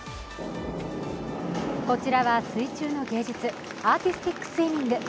こちらは水中の芸術・アーティスティックスイミング。